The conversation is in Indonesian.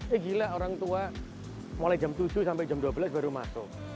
eh gila orang tua mulai jam tujuh sampai jam dua belas baru masuk